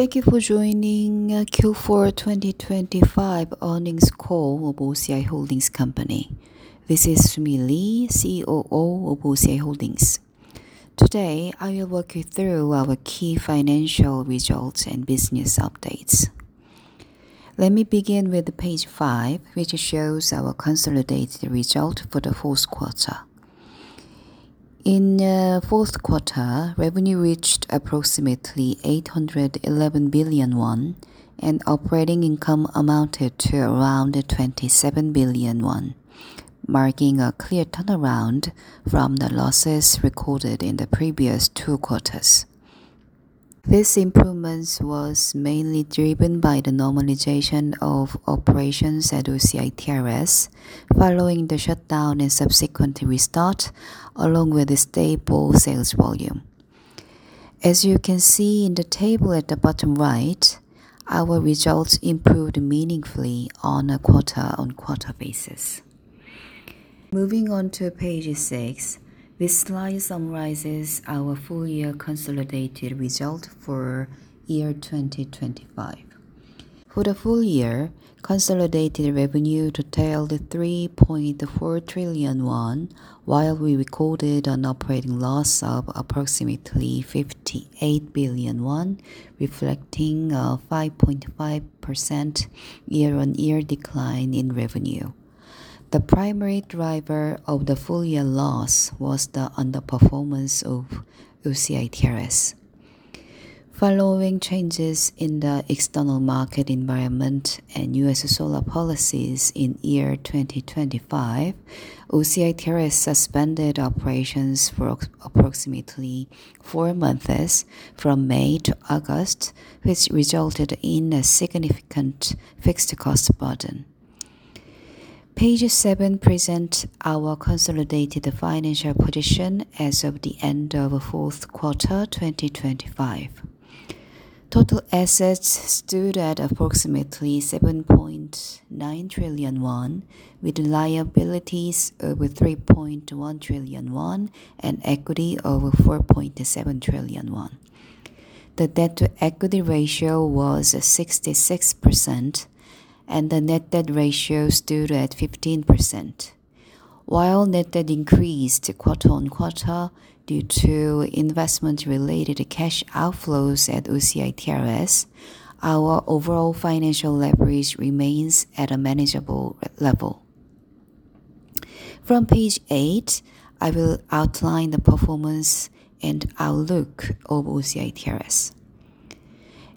qThank you for joining Q4 2025 earnings call of OCI Holdings Company. This is Su Mi Lee, COO of OCI Holdings. Today, I will walk you through our key financial results and business updates. Let me begin with page five, which shows our consolidated result for the Q4. In the Q4, revenue reached approximately 811 billion won, and operating income amounted to around 27 billion won, marking a clear turnaround from the losses recorded in the previous Q2s. This improvement was mainly driven by the normalization of operations at OCI TerraSus following the shutdown and subsequent restart, along with stable sales volume. As you can see in the table at the bottom right, our results improved meaningfully on a quarter-on-quarter basis. Moving on to page six, this slide summarizes our full-year consolidated result for the year 2025. For the full year, consolidated revenue totaled 3.4 trillion won, while we recorded an operating loss of approximately 58 billion won, reflecting a 5.5% year-on-year decline in revenue. The primary driver of the full-year loss was the underperformance of OCI TerraSus. Following changes in the external market environment and U.S. solar policies in the year 2025, OCI TerraSus suspended operations for approximately four months from May to August, which resulted in a significant fixed cost burden. Page seven presents our consolidated financial position as of the end of the Q4 2025. Total assets stood at approximately 7.9 trillion won, with liabilities of 3.1 trillion won, and equity of 4.7 trillion won. The debt-to-equity ratio was 66%, and the net debt ratio stood at 15%. While net debt increased quarter-on-quarter due to investment-related cash outflows at OCI TerraSus, our overall financial leverage remains at a manageable level. From page eight, I will outline the performance and outlook of OCI TerraSus.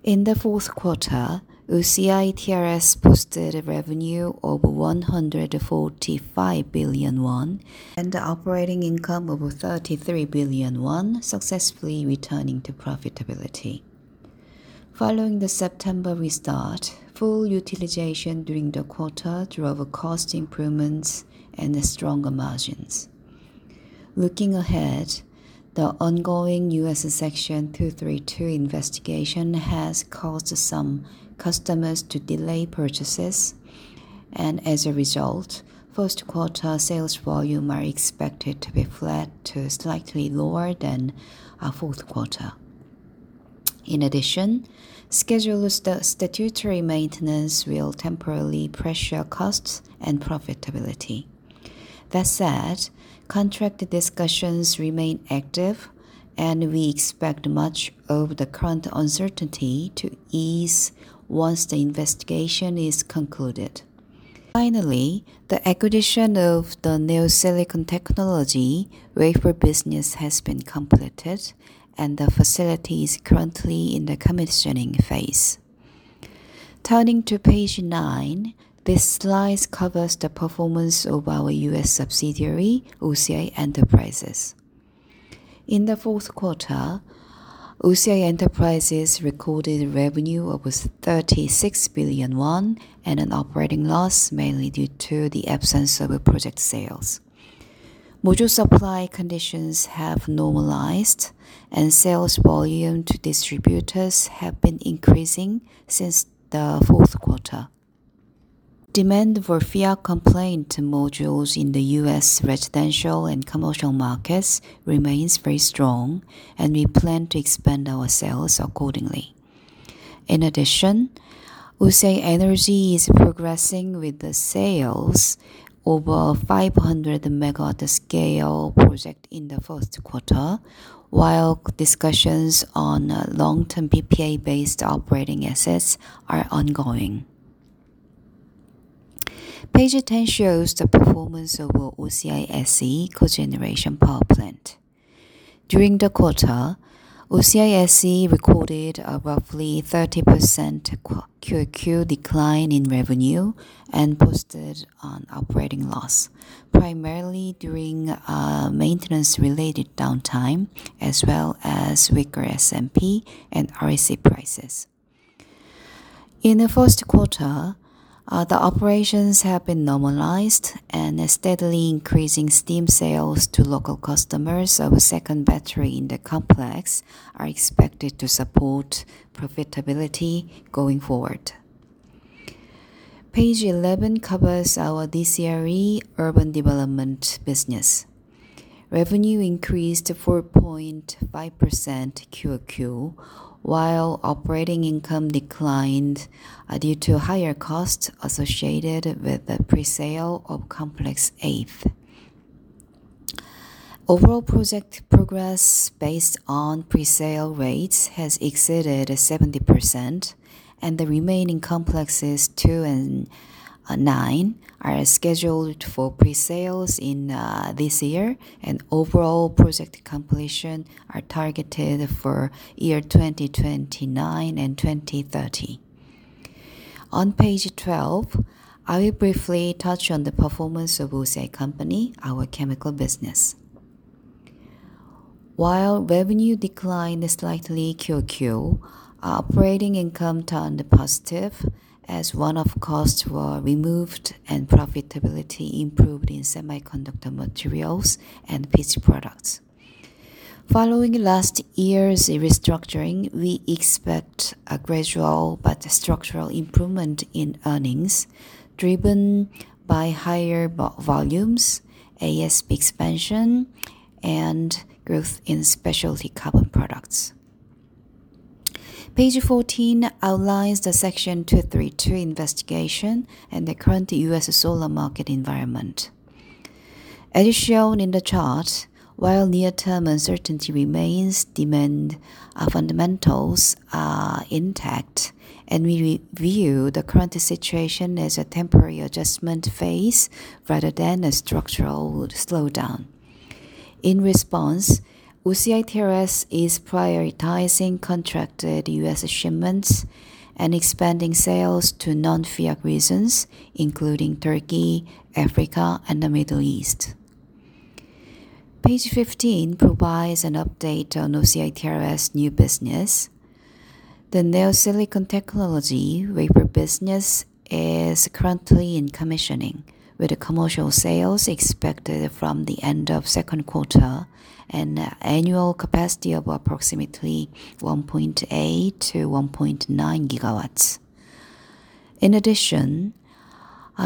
In the Q4, OCI TerraSus posted a revenue of 145 billion won and operating income of 33 billion won, successfully returning to profitability. Following the September restart, full utilization during the quarter drove cost improvements and stronger margins. Looking ahead, the ongoing U.S. Section 232 investigation has caused some customers to delay purchases. As a result, first quarter sales volume are expected to be flat to slightly lower than our Q4. In addition, scheduled statutory maintenance will temporarily pressure costs and profitability. That said, contract discussions remain active, and we expect much of the current uncertainty to ease once the investigation is concluded. Finally, the acquisition of the NeoSilicon Technology wafer business has been completed, and the facility is currently in the commissioning phase. Turning to page nine, this slide covers the performance of our U.S. subsidiary, OCI Enterprises. In the Q4, OCI Enterprises recorded revenue of 36 billion won and an operating loss mainly due to the absence of project sales. Module supply conditions have normalized and sales volume to distributors have been increasing since the Q4. Demand for IRA-compliant modules in the U.S. residential and commercial markets remains very strong, and we plan to expand our sales accordingly. In addition, OCI Energy is progressing with the sales over 500-MW scale project in the first quarter, while discussions on long-term PPA-based operating assets are ongoing. Page 10 shows the performance of OCI SCE cogeneration power plant. During the quarter, OCI SE Co recorded a roughly 30% QOQ decline in revenue and posted an operating loss, primarily during a maintenance-related downtime, as well as weaker SMP and REC prices. In the first quarter, the operations have been normalized and steadily increasing steam sales to local customers of a secondary battery in the complex are expected to support profitability going forward. Page 11 covers our DCRE urban development business. Revenue increased 4.5% QOQ, while operating income declined due to higher costs associated with the presale of Complex 8. Overall project progress based on presale rates has exceeded 70%, and the remaining Complexes 2 and 9 are scheduled for presales in this year, and overall project completion are targeted for year 2029 and 2030. On page 12, I will briefly touch on the performance of OCI Company, our chemical business. While revenue declined slightly QOQ, operating income turned positive as one-off costs were removed and profitability improved in semiconductor materials and PC products. Following last year's restructuring, we expect a gradual but structural improvement in earnings, driven by higher volumes, ASP expansion, and growth in specialty carbon products. Page 14 outlines the Section 201 investigation and the current U.S. solar market environment. As shown in the chart, while near-term uncertainty remains, demand fundamentals are intact, and we view the current situation as a temporary adjustment phase rather than a structural slowdown. In response, OCI TerraSus is prioritizing contracted U.S. shipments and expanding sales to non-FEOC regions, including Turkey, Africa, and the Middle East. Page 15 provides an update on OCI TerraSus new business. The NeoSilicon Technology wafer business is currently in commissioning, with commercial sales expected from the end of second quarter, an annual capacity of approximately 1.8-1.9 GW. In addition,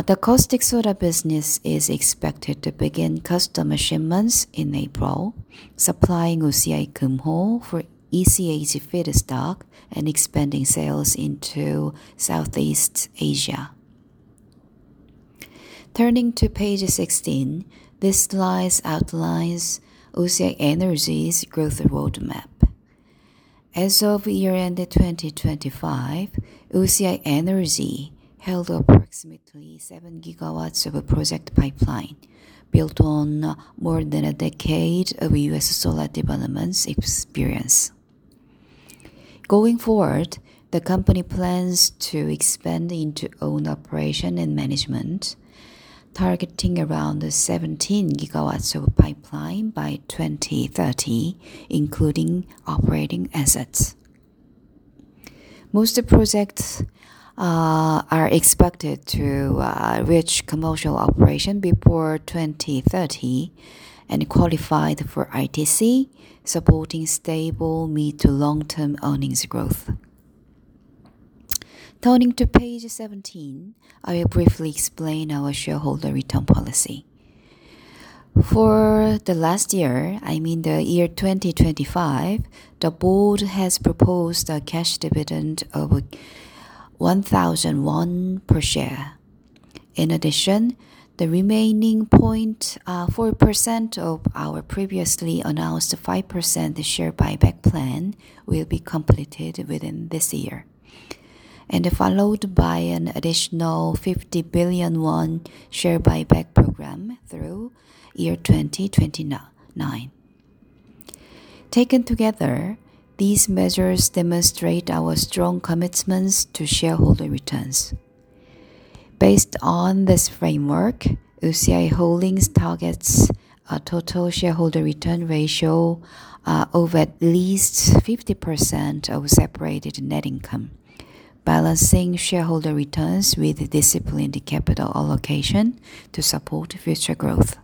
the caustic soda business is expected to begin customer shipments in April, supplying OCI Kumho for ECH feedstock and expanding sales into Southeast Asia. Turning to page 16, this slide outlines OCI Energy's growth roadmap. As of year-end 2025, OCI Energy held approximately 7 gigawatts of project pipeline, built on more than a decade of U.S. solar developments experience. Going forward, the company plans to expand into own operation and management, targeting around 17 gigawatts of pipeline by 2030, including operating assets. Most projects are expected to reach commercial operation before 2030 and qualify for ITC, supporting stable mid- to long-term earnings growth. Turning to page 17, I will briefly explain our shareholder return policy. For the last year, I mean the year 2025, the board has proposed a cash dividend of 1,000 won per share. In addition, the remaining 0.4% of our previously announced 5% share buyback plan will be completed within this year, and followed by an additional 50 billion won share buyback program through 2029. Taken together, these measures demonstrate our strong commitments to shareholder returns. Based on this framework, OCI Holdings targets a total shareholder return ratio of at least 50% of separated net income, balancing shareholder returns with disciplined capital allocation to support future growth.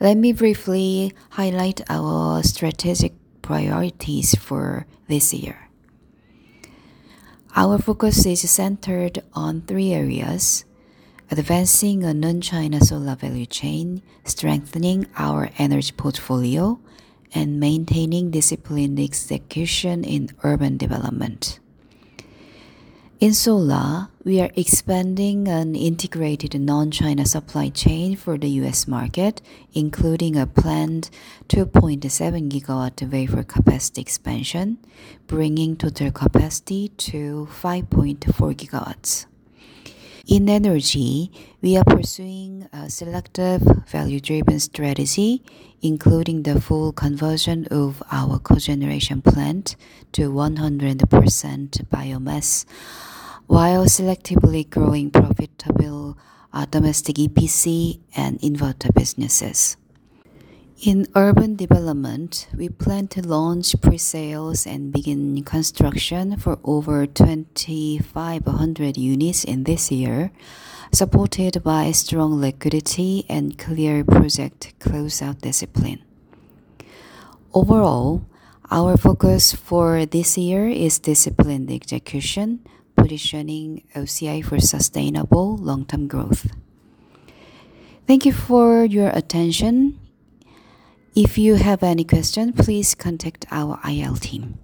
Let me briefly highlight our strategic priorities for this year. Our focus is centered on three areas: advancing a non-China solar value chain, strengthening our energy portfolio, and maintaining disciplined execution in urban development. In solar, we are expanding an integrated non-China supply chain for the U.S. market, including a planned 2.7 GW wafer capacity expansion, bringing total capacity to 5.4 GW. In energy, we are pursuing a selective value-driven strategy, including the full conversion of our cogeneration plant to 100% biomass, while selectively growing profitable domestic EPC and inverter businesses. In urban development, we plan to launch presales and begin construction for over 2,500 units in this year, supported by strong liquidity and clear project closeout discipline. Overall, our focus for this year is disciplined execution, positioning OCI for sustainable long-term growth. Thank you for your attention. If you have any questions, please contact our IR team.